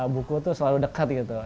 buku tuh selalu dekat gitu